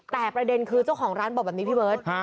แต่ประเด็นคือเจ้าของร้านบอกแบบนี้พี่เบิร์ต